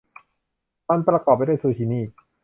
มันประกอบไปด้วยซูชินี่